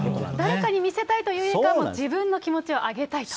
誰かに見せたいというよりか、自分の気持ちを上げたいと。